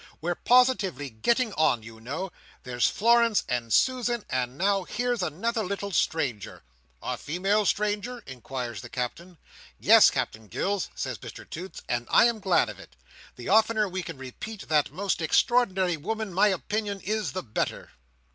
We're positively getting on, you know. There's Florence, and Susan, and now here's another little stranger." "A female stranger?" inquires the Captain. "Yes, Captain Gills," says Mr Toots, "and I'm glad of it. The oftener we can repeat that most extraordinary woman, my opinion is, the better!"